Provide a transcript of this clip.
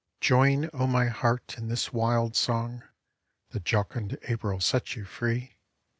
Join, O my heart, in this wild song; The jocund April sets you free.